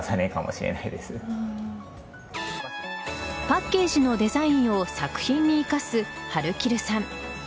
パッケージのデザインを作品に生かすはるきるさん。